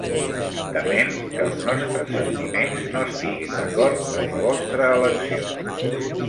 Temem que els nostres sentiments no estiguen d'acord amb la vostra elecció.